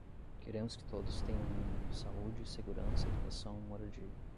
Queremos que todos tenham o mínimo: saúde, segurança, educação, moradia